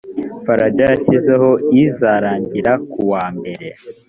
farg yashyizeho izarangira kuwa mbere